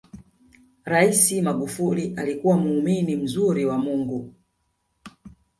rais magufuli alikuwa muumini mzuri wa mungu